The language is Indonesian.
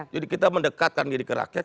jadi kita mendekatkan diri ke rakyat